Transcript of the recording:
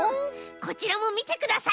こちらもみてください！